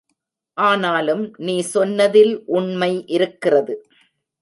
ஆனாலும், நீ சொன்னதில் உண்மை இருக்கிறது.